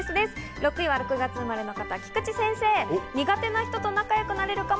６位は６月生まれの方、菊地先生です。